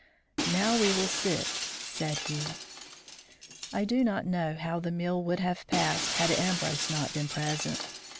"Now we will sit," said he. I do not know how the meal would have passed had Ambrose not been present.